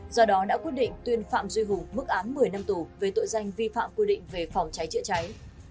do đó đã quyết định tuyên phạm duy hùng mức án một mươi năm tù về tội danh vi phạm quy định về phòng cháy chữa cháy